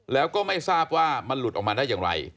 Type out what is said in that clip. แล้วก็ไม่ทราบว่ามันหลุดออกมาได้อย่างไร